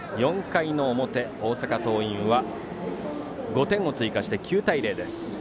４回の表、大阪桐蔭は５点を追加して９対０です。